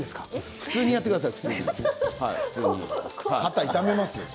普通にやってください。